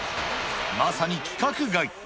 まさに規格外。